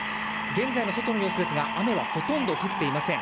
現在の外の様子ですが雨はほとんど降っていません。